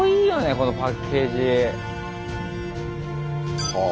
このパッケージ。